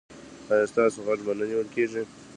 ایا ستاسو غږ به نه نیول کیږي؟